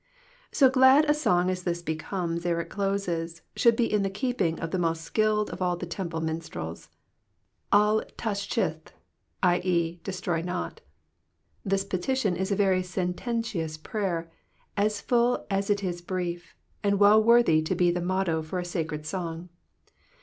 — So glad a aong as (his becomes ere it closes, should he in the keeping of the most sfdUed qfaUthe ten^pU minstrels. Al taschith, i. e.,DE8TBOT not. This peiUUm is a very sententious prayer, asJvU as it is hritf, and wdl worthy to be the motto for a sacred song.